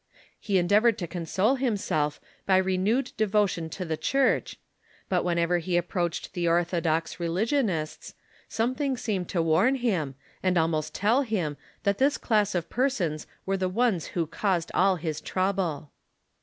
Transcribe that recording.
He endeavored to console himself by renewed devotion to the church, but whenever he approached the orthodox religionists, something seemed to warn him, and almost tell him, that this class of persons were the ones who caused all liis trouble.